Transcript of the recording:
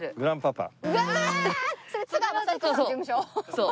そう。